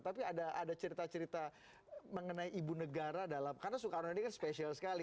tapi ada cerita cerita mengenai ibu negara dalam karena soekarno ini kan spesial sekali